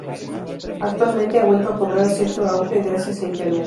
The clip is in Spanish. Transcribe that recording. Actualmente, ha vuelto a cobrar cierto auge gracias a internet.